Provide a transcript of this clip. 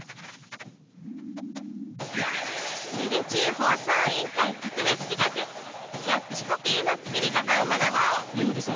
芽出中放送委員会特別企画キャッチコピーの作り方を学ぼう！